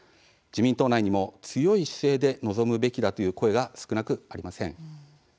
自民党内にも強い姿勢で臨むべきだという声が少なくありません。